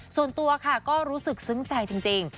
ส่วนตัวค่ะก็รู้สึกซึ้งใจจริง